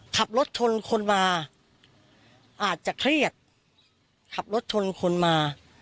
ขับรถชนคนมาอาจจะเครียดขับรถชนคนมา